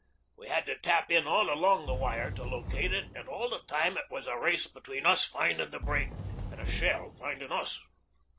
We had to tap in all along the wire to locate it and all the time it was a race between us finding the break and a shell finding us.